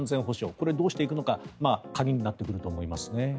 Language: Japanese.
これをどうしていくのか鍵になってくると思います。